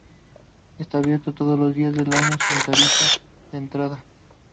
Está abierto todos los días del año sin tarifa de entrada.